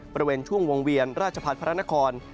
บริเวณช่วงวงเวียนราชพัฒน์พระนคร